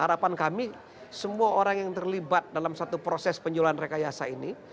harapan kami semua orang yang terlibat dalam satu proses penjualan rekayasa ini